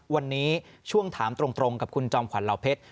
วันนี้ช่วงถามตรงกับคุณจอมขวัญเหล่าเพชร